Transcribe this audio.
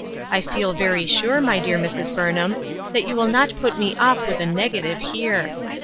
I feel very sure, my dear Mrs. Burnham, that you will not put me off with a negative here.